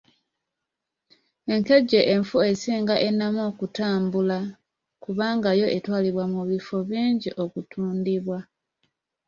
Enkejje enfu esinga ennamu okutambula kubanga yo etwalibwa mu bifo bingi okutundibwa.